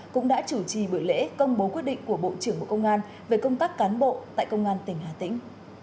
cũng đã chủ trì buổi lễ công bố quyết định của bộ trưởng bộ công an về công tác cán bộ tại công an tỉnh hà tĩnh